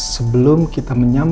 sebelum kita menyalurkan